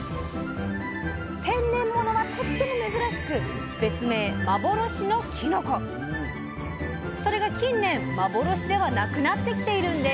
天然物はとっても珍しく別名それが近年「幻」ではなくなってきているんです！